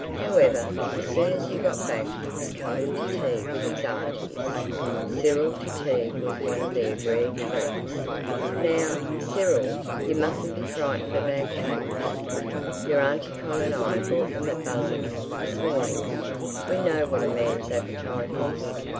However, as soon as he got back he was coming to tea with his aunties. Cyril to tea was one of their rare treats. "Now, Cyril, you mustn't be frightened of our cakes. Your Auntie Con and I bought them at Buszard's this morning. We know what a man's appetite is.